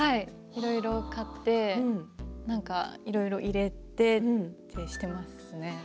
いろいろ買っていろいろ入れて、しています。